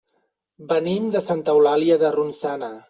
Venim de Santa Eulàlia de Ronçana.